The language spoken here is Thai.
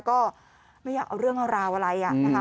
ก็ไม่อยากเอาเรื่องเอาราวอะไรนะคะ